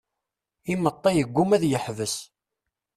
Imeṭṭi yegguma ad yeḥbes.